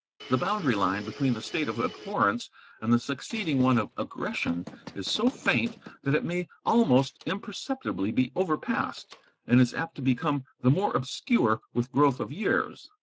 The boundary line between the state of abhorrence and the succeeding one of aggression is so faint that it may almost imperceptibly be overpassed, and is apt to become the more obscure with growth of years.